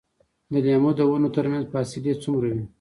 د لیمو د ونو ترمنځ فاصله څومره وي؟